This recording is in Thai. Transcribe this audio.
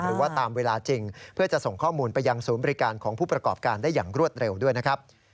หรือว่าตามเวลาจริงเพื่อจะส่งข้อมูลไปยังศูนย์บริการของผู้ประกอบการได้อย่างรวดเร็วด้วยนะครับ